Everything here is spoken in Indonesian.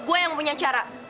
gue yang punya cara